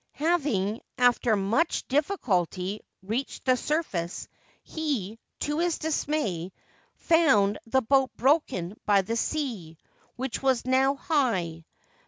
Having after much difficulty reached the surface, he, to his dismay, found the boat broken by the sea, which was now high.